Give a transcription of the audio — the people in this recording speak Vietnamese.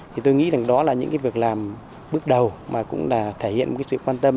thì tôi nghĩ rằng đó là những cái việc làm bước đầu mà cũng là thể hiện sự quan tâm